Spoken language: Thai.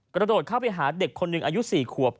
กระโดดเข้าไปหาเด็กคนหนึ่งอายุ๔ขวบ